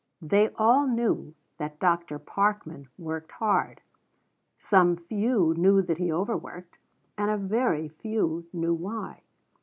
They all knew that Dr. Parkman worked hard. Some few knew that he overworked, and a very few knew why.